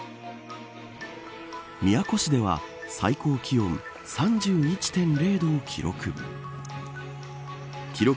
宮古市では、最高気温３１．０度を記録。